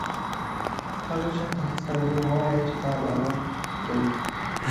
هغه چاته هېڅکله دروغ مه وایه چې په تا باور لري.